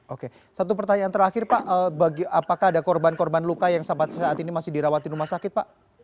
oke satu pertanyaan terakhir pak apakah ada korban korban luka yang saat ini masih dirawat di rumah sakit pak